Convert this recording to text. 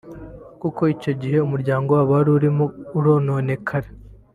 kuko icyo gihe umuryango waba urimo urononekara